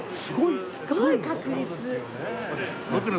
すごい確率。